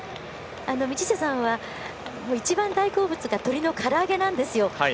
道下さんは一番大好物が鶏のから揚げなんですよ。